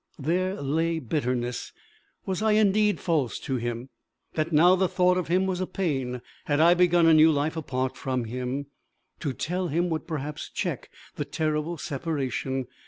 There lay bitterness! Was I indeed false to him, that now the thought of him was a pain? Had I begun a new life apart from him? To tell him would perhaps check the terrible separation!